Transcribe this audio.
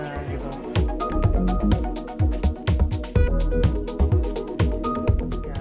instagram kita berguna